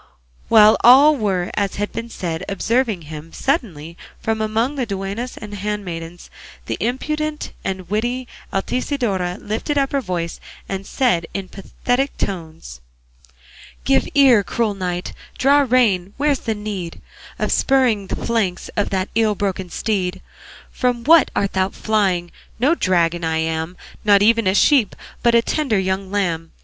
While all were, as has been said, observing him, suddenly from among the duennas and handmaidens the impudent and witty Altisidora lifted up her voice and said in pathetic tones: Give ear, cruel knight; Draw rein; where's the need Of spurring the flanks Of that ill broken steed? From what art thou flying? No dragon I am, Not even a sheep, But a tender young lamb.